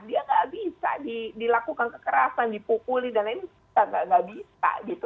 dia nggak bisa dilakukan kekerasan dipukuli dan lain lain nggak bisa gitu